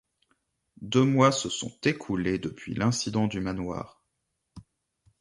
Deux mois se sont écoulés depuis l'incident du manoir.